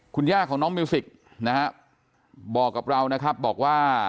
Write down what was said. คุณย่าของน้องมิวสิกนะฮะบอกกับเรานะครับบอกว่า